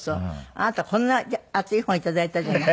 あなたこんな厚い本いただいたじゃない？